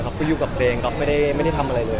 ก็อยู่กับเพลงก็ไม่ได้ทำอะไรเลย